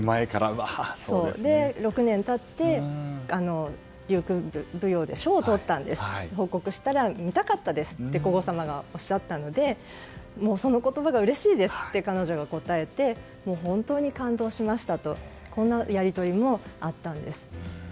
６年経って琉球舞踊で賞を取ったんですと報告したら、見たかったですと皇后さまがおっしゃったのでその言葉がうれしいですと彼女が答えて本当に感動しましたとこんなやり取りもあったんです。